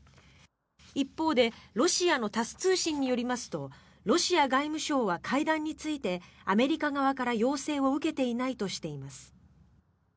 一方でロシアのタス通信によりますとロシア外務省は会談についてアメリカ側から要請を受けていないとしています。